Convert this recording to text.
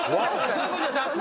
そういうことじゃなく？